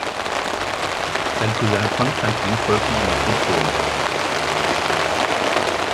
Sein Cousin Konstantin folgte ihm auf den Thron.